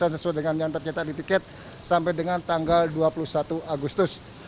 sesuai dengan yang tercetak di tiket sampai dengan tanggal dua puluh satu agustus